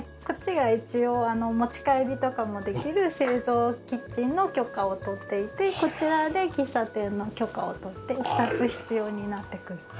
こっちが一応持ち帰りとかもできる製造キッチンの許可を取っていてこちらで喫茶店の許可を取って２つ必要になってくる。